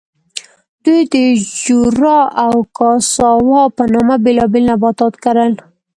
دوی د جورا او کاساوا په نامه بېلابېل نباتات کرل.